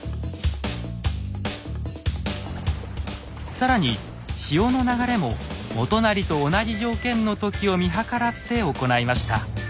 更に潮の流れも元就と同じ条件の時を見計らって行いました。